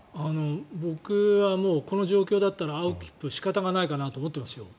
僕はもうこの状況だったら青切符は仕方がないかなと思ってますよ。